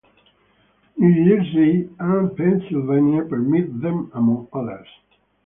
New Jersey and Pennsylvania permit them, among others.